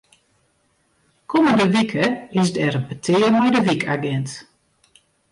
Kommende wike is der in petear mei de wykagint.